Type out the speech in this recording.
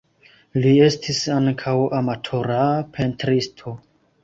Li estis ankaŭ amatora pentristo.